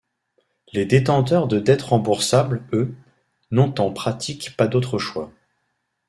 Les détenteurs de dette remboursable, eux, n'ont en pratique pas d'autre choix.